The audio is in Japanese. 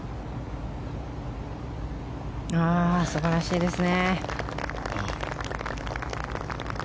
素晴らしいですね。